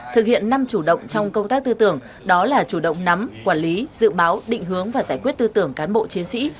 thực hiện năm chủ động trong công tác tư tưởng đó là chủ động nắm quản lý dự báo định hướng và giải quyết tư tưởng cán bộ chiến sĩ